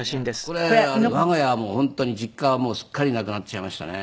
これ我が家も本当に実家はもうすっかりなくなっちゃいましたね。